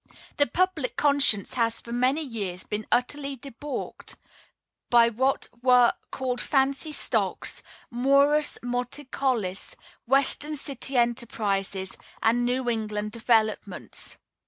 The public conscience has for many years been utterly debauched by what were called fancy stocks, morus multicaulis, Western city enterprises, and New England developments.